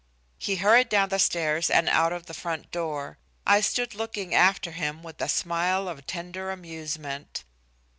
He hurried down the stairs and out of the front door. I stood looking after him with a smile of tender amusement.